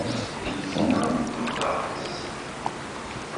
Yekna aṭṭas!